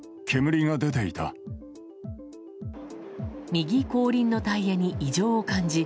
右後輪のタイヤに異常を感じ